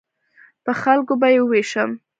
په خلکو به یې ووېشم.